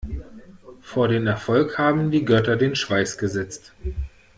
Vor den Erfolg haben die Götter den Schweiß gesetzt.